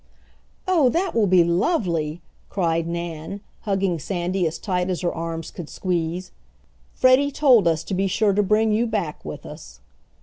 "Oh, that will be lovely!" cried Nan, hugging Sandy as tight as her arms could squeeze. "Freddie told us to be sure to bring you back with us."